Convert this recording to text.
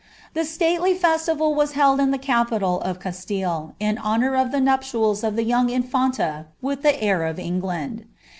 stately festival was held in the capital of Castille, in honour of the tials of the young Infanta with the heir of England.